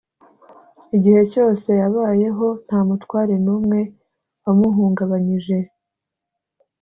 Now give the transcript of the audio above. Igihe cyose yabayeho, nta mutware n’umwe wamuhungabanyije,